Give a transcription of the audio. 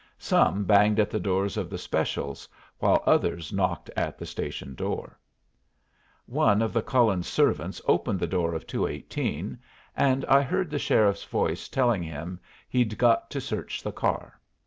Some banged at the doors of the specials, while others knocked at the station door. One of the Cullens' servants opened the door of 218, and I heard the sheriff's voice telling him he'd got to search the car.